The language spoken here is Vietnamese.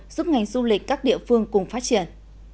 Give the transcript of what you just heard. giúp ngành du lịch các địa phương cùng phát triển